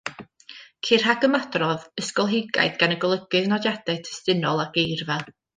Ceir rhagymadrodd ysgolheigaidd gan y golygydd, nodiadau testunol a geirfa.